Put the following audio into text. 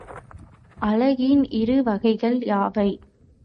அலகின் இரு வகைகள் யாவை?